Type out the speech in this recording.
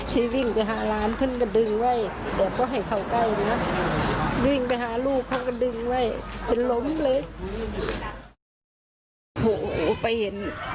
ยิงไปหาลูกเขาก็ดึงไว้ที่เร็วเหลมเลย